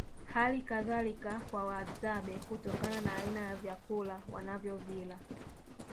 Hali kadhalika kwa Wahadzabe kutokana na aina ya vyakula wanavyovila